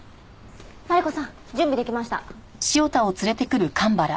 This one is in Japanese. マリコさん準備できました。